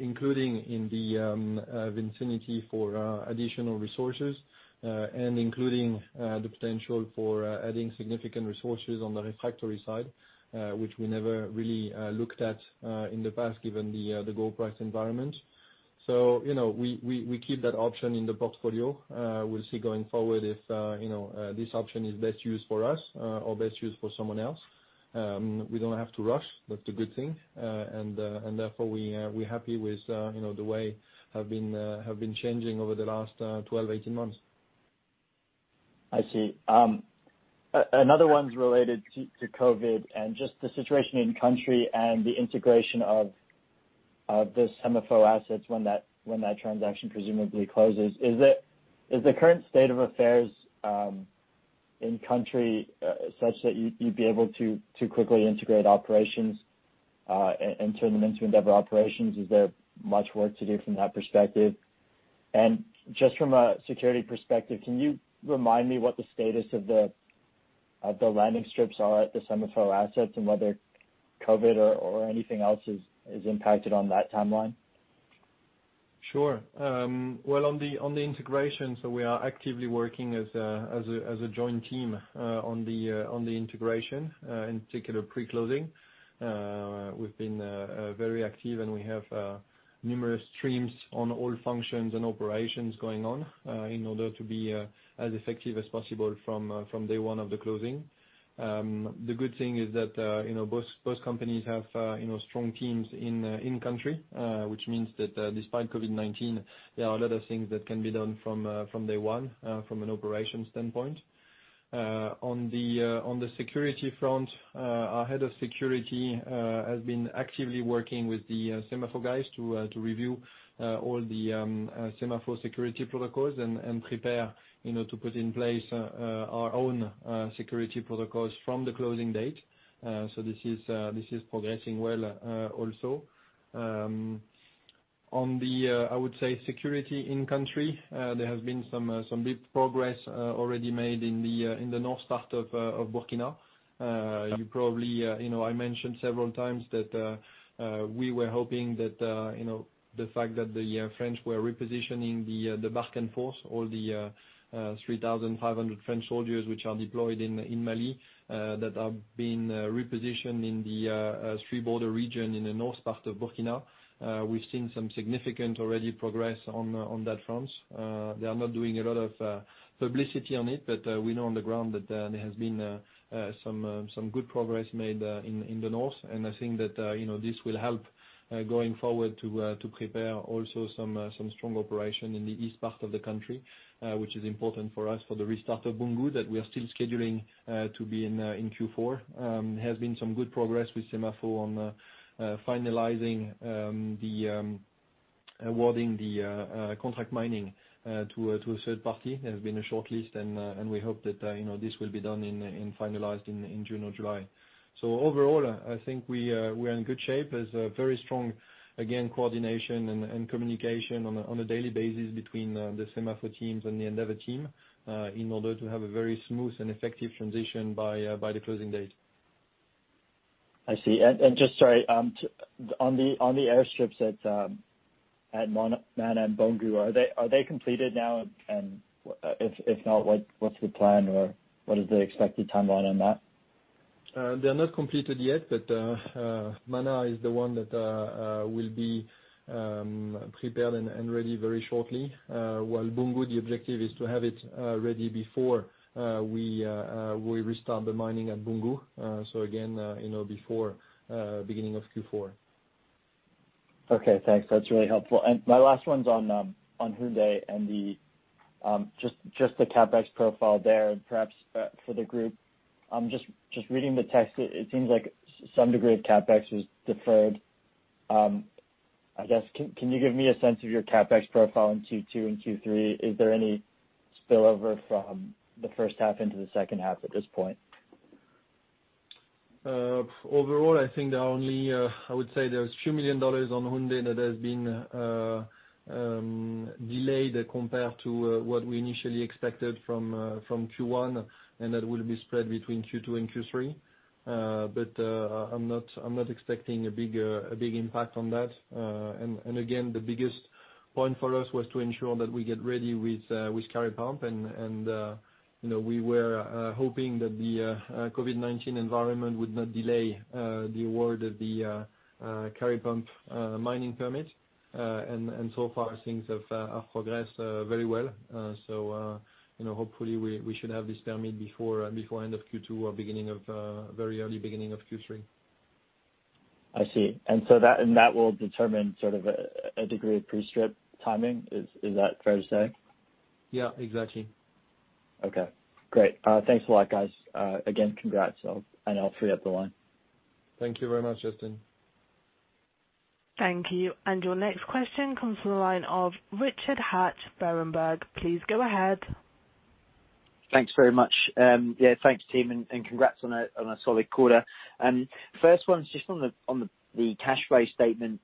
including in the vicinity for additional resources, and including the potential for adding significant resources on the refractory side, which we never really looked at in the past given the gold price environment. We keep that option in the portfolio. We'll see going forward if this option is best used for us or best used for someone else. We don't have to rush. That's a good thing. Therefore we're happy with the way have been changing over the last 12, 18 months. I see. Another one's related to COVID-19 and just the situation in country and the integration of the SEMAFO assets when that transaction presumably closes. Is the current state of affairs in country such that you'd be able to quickly integrate operations, and turn them into Endeavour operations? Is there much work to do from that perspective? Just from a security perspective, can you remind me what the status of the landing strips are at the SEMAFO assets and whether COVID-19 or anything else has impacted on that timeline? Sure. Well, on the integration, we are actively working as a joint team on the integration, in particular pre-closing. We've been very active, we have numerous streams on all functions and operations going on in order to be as effective as possible from day one of the closing. The good thing is that both companies have strong teams in country, which means that despite COVID-19, there are a lot of things that can be done from day one from an operations standpoint. On the security front, our head of security has been actively working with the SEMAFO guys to review all the SEMAFO security protocols and prepare to put in place our own security protocols from the closing date. This is progressing well also. On the, I would say security in country, there has been some big progress already made in the north part of Burkina. I mentioned several times that we were hoping that the fact that the French were repositioning the Barkhane force or the 3,500 French soldiers which are deployed in Mali that are being repositioned in the three border region in the north part of Burkina. We've seen some significant already progress on that front. They are not doing a lot of publicity on it, we know on the ground that there has been some good progress made in the north. I think that this will help going forward to prepare also some strong operation in the east part of the country, which is important for us for the restart of Boungou that we are still scheduling to be in Q4. There has been some good progress with SEMAFO on finalizing awarding the contract mining to a third party. There has been a short list, and we hope that this will be done and finalized in June or July. Overall, I think we are in good shape as a very strong, again, coordination and communication on a daily basis between the SEMAFO teams and the Endeavour team in order to have a very smooth and effective transition by the closing date. I see. Just on the airstrips at Mana and Boungou, are they completed now? If not, what's the plan or what is the expected timeline on that? They're not completed yet, but Mana is the one that will be prepared and ready very shortly, while Boungou, the objective is to have it ready before we restart the mining at Boungou, again, before beginning of Q4. Okay, thanks. That's really helpful. My last one's on Houndé and just the CapEx profile there, and perhaps for the group. Just reading the text, it seems like some degree of CapEx is deferred. I guess, can you give me a sense of your CapEx profile in Q2 and Q3? Is there any spillover from the first half into the second half at this point? Overall, I would say there is $2 million on Houndé that has been delayed compared to what we initially expected from Q1. That will be spread between Q2 and Q3. I'm not expecting a big impact on that. Again, the biggest point for us was to ensure that we get ready with Kari Pump, and we were hoping that the COVID-19 environment would not delay the award of the Kari Pump mining permit. So far things have progressed very well. Hopefully we should have this permit before end of Q2 or very early beginning of Q3. I see. That will determine sort of a degree of pre-strip timing, is that fair to say? Exactly. Okay, great. Thanks a lot, guys. Again, congrats, and I'll free up the line. Thank you very much, Justin. Thank you. Your next question comes from the line of Richard Hatch, Berenberg. Please go ahead. Thanks very much. Thanks team, congrats on a solid quarter. First one's just on the cash flow statement.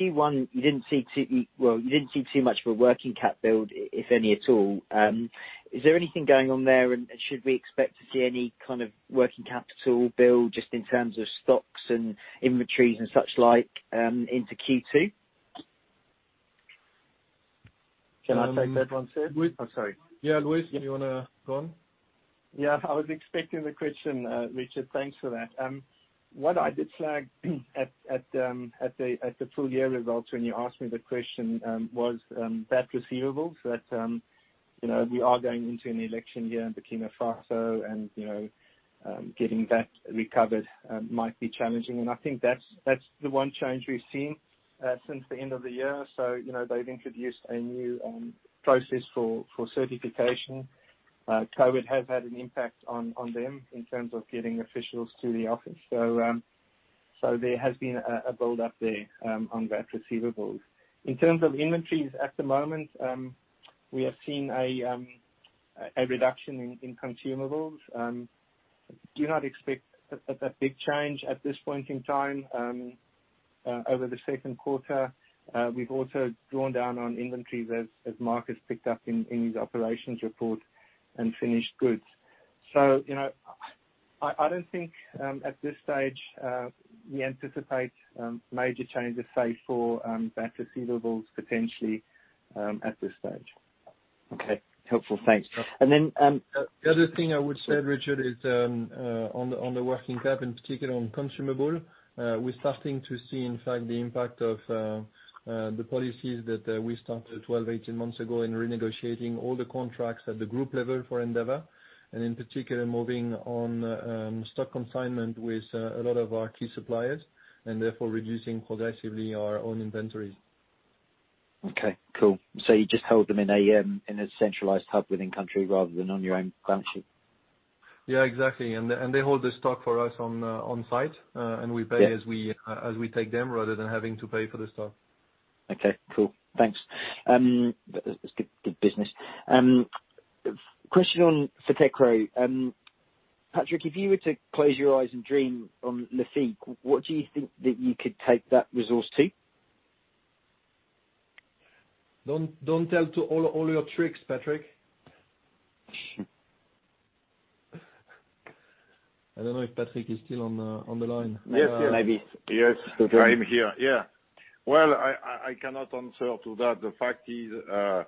Q1, you didn't see too much of a working cap build, if any at all. Is there anything going on there? Should we expect to see any kind of working capital build just in terms of stocks and inventories and such like into Q2? Can I take that one, Seb? Louis? Oh, sorry. Louis, you want to go on? I was expecting the question, Richard. Thanks for that. What I did flag at the full-year results when you asked me the question was VAT receivables. We are going into an election year in Burkina Faso and getting that recovered might be challenging. I think that's the one change we've seen since the end of the year. They've introduced a new process for certification. COVID-19 has had an impact on them in terms of getting officials to the office. There has been a build-up there on VAT receivables. In terms of inventories at the moment, we have seen a reduction in consumables. Do not expect a big change at this point in time over the second quarter. We've also drawn down on inventories as Mark picked up in his operations report and finished goods. I don't think at this stage we anticipate major changes, say, for VAT receivables potentially at this stage. Okay. Helpful. Thanks. The other thing I would say, Richard, is on the working cap and particularly on consumable, we're starting to see, in fact, the impact of the policies that we started 12, 18 months ago in renegotiating all the contracts at the group level for Endeavour, in particular, moving on stock consignment with a lot of our key suppliers, and therefore reducing progressively our own inventories. Okay, cool. You just hold them in a centralized hub within country rather than on your own balance sheet? Exactly. They hold the stock for us on site as we take them, rather than having to pay for the stock. Okay, cool. Thanks. That's good business. Question on Fetekro. Patrick, if you were to close your eyes and dream on Lafigué, what do you think that you could take that resource to? Don't tell all your tricks, Patrick. I don't know if Patrick is still on the line. Maybe. Yes, I'm here. I cannot answer to that.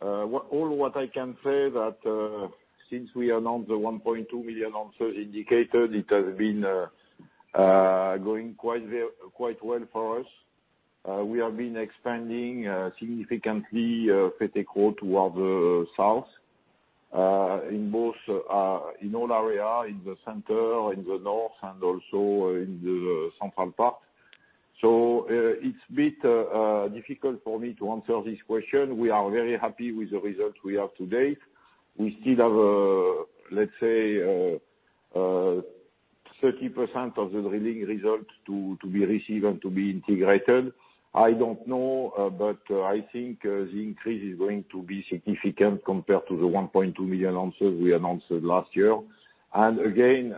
All what I can say that since we announced the 1.2 million ounces indicated, it has been going quite well for us. We have been expanding significantly Fetekro toward the south in all area, in the center, in the north, and also in the central part. It's a bit difficult for me to answer this question. We are very happy with the results we have to date. We still have, let's say, 30% of the drilling results to be received and to be integrated. I don't know, I think the increase is going to be significant compared to the 1.2 million ounces we announced last year. Again,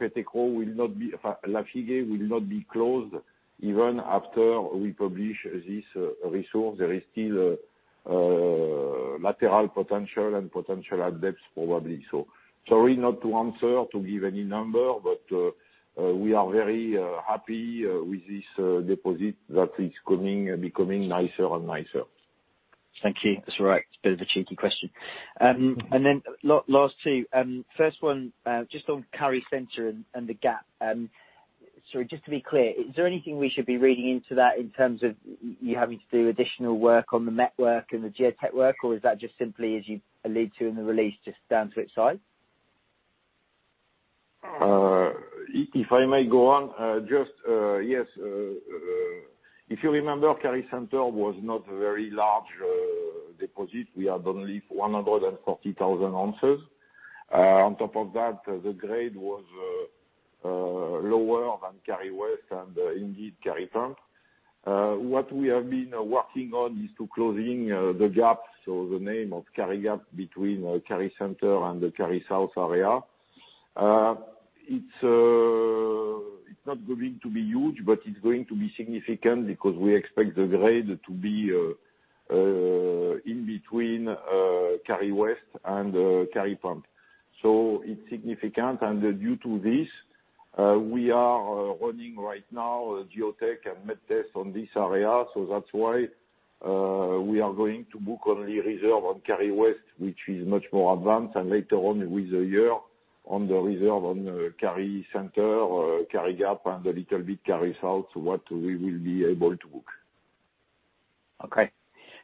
Lafigué will not be closed even after we publish this resource. There is still lateral potential and potential at depth, probably so. Sorry, not to answer, to give any number, but we are very happy with this deposit that is becoming nicer and nicer. Thank you. That's all right. It's a bit of a cheeky question. Then last two. First one, just Kari Center and the gap. Sorry, just to be clear, is there anything we should be reading into that in terms of you having to do additional work on the network and the geotech work, or is that just simply as you allude to in the release, just down to its size? If I may go on, just yes, if you remember, Kari Center was not a very large deposit. We have only 140,000 oz. On top of that, the grade was lower than Kari West and Kari Pump. What we have been working on is to closing the gap, so the name of Kari Gap between Kari Center and the Kari South area. It's not going to be huge, but it's going to be significant because we expect the grade to be in between Kari West and Kari Pump. It's significant, and due to this, we are running right now a geotech and met test on this area. That's why we are going to book only reserve on Kari West, which is much more advanced, and later on with the year on the reserve on Kari Center, Kari Gap, and a little bit Kari South to what we will be able to book. Okay.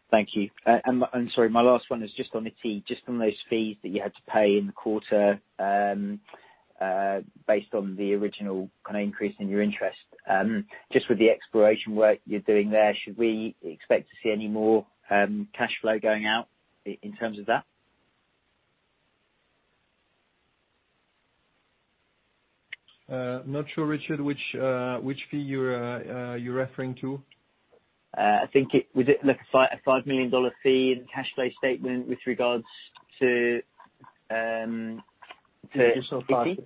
Thank you. My last one is just on Ity, just on those fees that you had to pay in the quarter based on the original increase in your interest. Just with the exploration work you're doing there, should we expect to see any more cash flow going out in terms of that? I'm not sure, Richard, which fee you're referring to. I think it was a $5-million fee in the cash flow statement with regards to Ity. Additional 20%.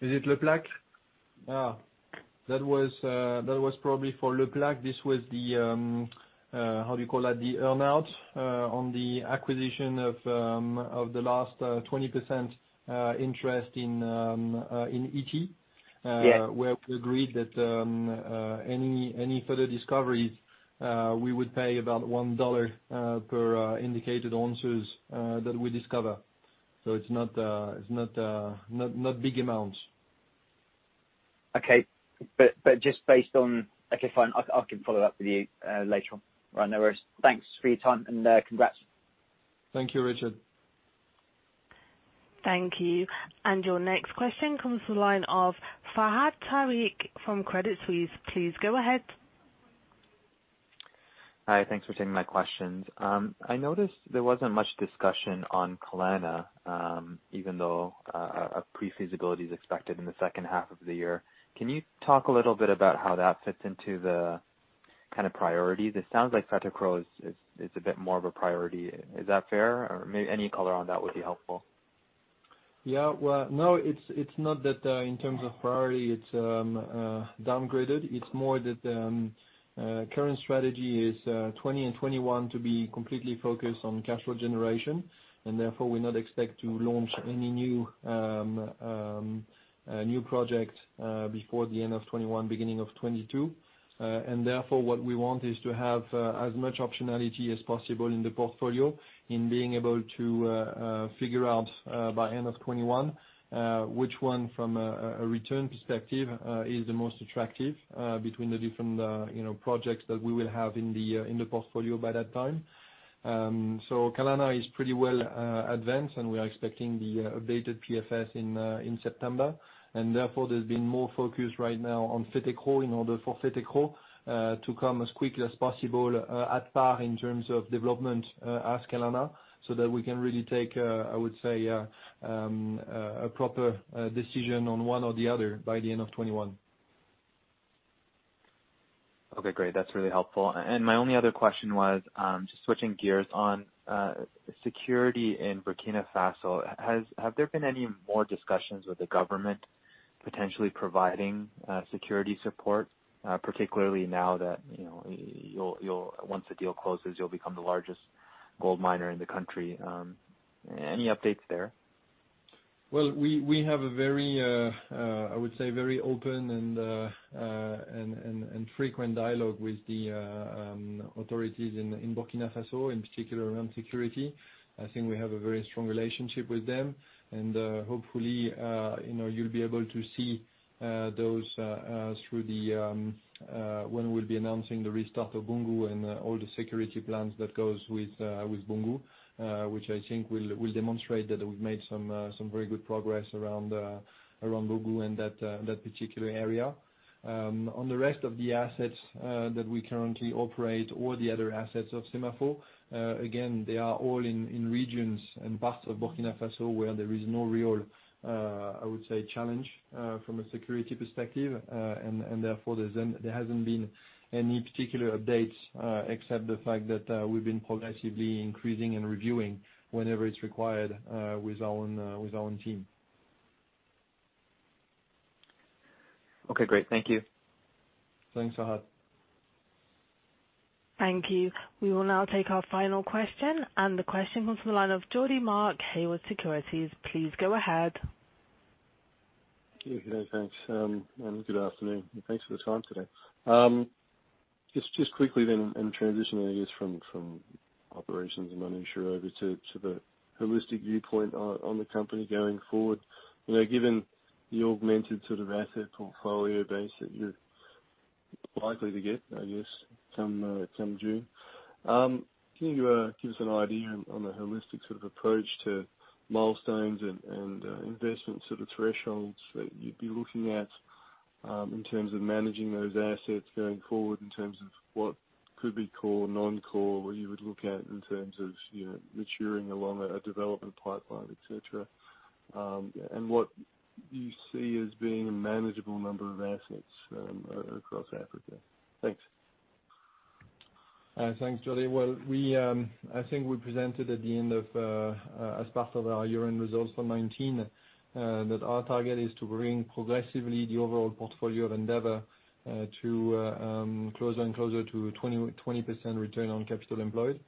Is it Le Plaque? That was probably for Le Plaque. This was the, how do you call that, the earn-out on the acquisition of the last 20% interest in Ity, where we agreed that any further discoveries we would pay about $1 per indicated ounces that we discover. It's not big amounts. Okay, fine. I can follow up with you later on. No worries. Thanks for your time, and congrats. Thank you, Richard. Thank you. Your next question comes to the line of Fahad Tariq from Credit Suisse. Please go ahead. Hi, thanks for taking my questions. I noticed there wasn't much discussion on Kalana, even though a pre-feasibility is expected in the second half of the year. Can you talk a little bit about how that fits into the kind of priorities? It sounds like Fetekro is a bit more of a priority. Is that fair? Any color on that would be helpful. Well, no, it's not that, in terms of priority, it's downgraded. It's more that current strategy is 2020 and 2021 to be completely focused on cash flow generation. Therefore, we not expect to launch any new project before the end of 2021, beginning of 2022. Therefore, what we want is to have as much optionality as possible in the portfolio in being able to figure out, by end of 2021, which one from a return perspective is the most attractive between the different projects that we will have in the portfolio by that time. Kalana is pretty well advanced, and we are expecting the updated PFS in September. Therefore, there's been more focus right now on Fetekro in order for Fetekro to come as quickly as possible at par in terms of development as Kalana, that we can really take, I would say, a proper decision on one or the other by the end of 2021. Okay, great. That's really helpful. My only other question was, just switching gears on security in Burkina Faso, have there been any more discussions with the government potentially providing security support, particularly now that, once the deal closes, you'll become the largest gold miner in the country? Any updates there? Well, we have, I would say, very open and frequent dialogue with the authorities in Burkina Faso, in particular around security. I think we have a very strong relationship with them. Hopefully, you'll be able to see those when we'll be announcing the restart of Boungou and all the security plans that goes with Boungou, which I think will demonstrate that we've made some very good progress around Boungou and that particular area. On the rest of the assets that we currently operate or the other assets of SEMAFO, again, they are all in regions and parts of Burkina Faso where there is no real, I would say, challenge from a security perspective. Therefore, there hasn't been any particular updates except the fact that we've been progressively increasing and reviewing whenever it's required with our own team. Okay, great. Thank you. Thanks, Fahad. Thank you. We will now take our final question, and the question comes from the line of Geordie Mark, Haywood Securities. Please go ahead. Good day, thanks. Good afternoon, and thanks for the time today. Just quickly then, and transitioning, I guess, from operations and onshore over to the holistic viewpoint on the company going forward. Given the augmented sort of asset portfolio base that you're likely to get, I guess, come June, can you give us an idea on the holistic sort of approach to milestones and investment sort of thresholds that you'd be looking at in terms of managing those assets going forward, in terms of what could be core, non-core, or you would look at in terms of maturing along a development pipeline, et cetera? What you see as being a manageable number of assets across Africa. Thanks. Thanks, Geordie. Well, I think we presented as part of our year-end results for 2019, that our target is to bring progressively the overall portfolio of Endeavour closer and closer to a 20% return on capital employed.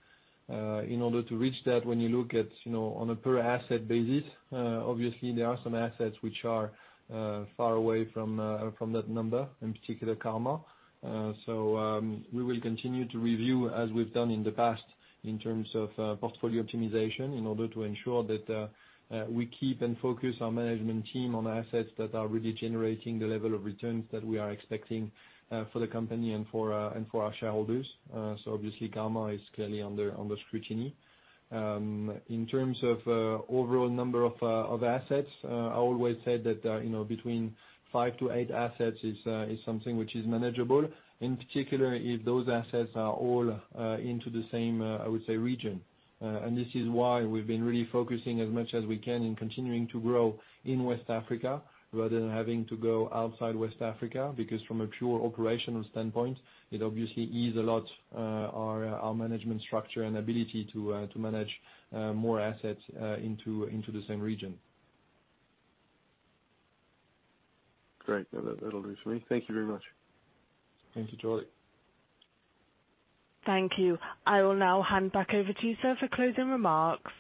In order to reach that, when you look at on a per asset basis, obviously there are some assets which are far away from that number, in particular Karma. We will continue to review, as we've done in the past, in terms of portfolio optimization in order to ensure that we keep and focus our management team on assets that are really generating the level of returns that we are expecting for the company and for our shareholders. Obviously Karma is clearly under scrutiny. In terms of overall number of assets, I always said that between five to eight assets is something which is manageable, in particular if those assets are all into the same, I would say, region. This is why we've been really focusing as much as we can in continuing to grow in West Africa rather than having to go outside West Africa, because from a pure operational standpoint, it obviously ease a lot our management structure and ability to manage more assets into the same region. Great. That'll do for me. Thank you very much. Thank you, Geordie. Thank you. I will now hand back over to you, sir, for closing remarks.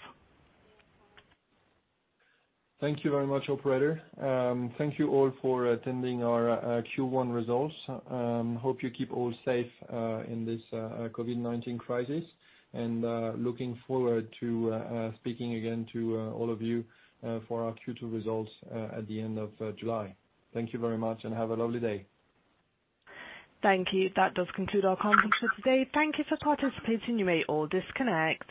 Thank you very much, operator. Thank you all for attending our Q1 results. Hope you keep all safe in this COVID-19 crisis. Looking forward to speaking again to all of you for our Q2 results at the end of July. Thank you very much, and have a lovely day. Thank you. That does conclude our conference for today. Thank you for participating. You may all disconnect.